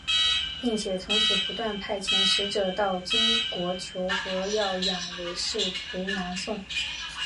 并且从此不断派遣使者到金国求和要迎韦氏回南宋。